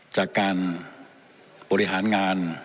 จากการบริหารงาน